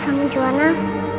kita kan disini berteman